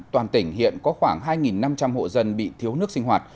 toàn tỉnh hiện có khoảng hai năm trăm linh hộ dân bị thiếu nước sinh hoạt